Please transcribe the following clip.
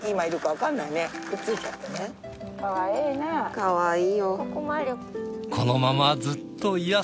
かわいい。